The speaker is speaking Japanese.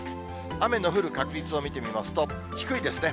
雨の降る確率を見てみますと、低いですね。